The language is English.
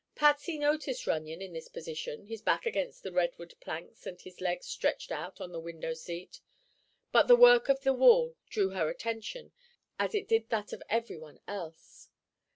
Patsy noticed Runyon in this position, his back against the redwood planks and his legs stretched out on the window seat; but the work on the wall drew her attention, as it did that of everyone else.